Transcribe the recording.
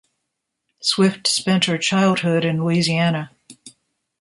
Swift spent her childhood in Louisiana.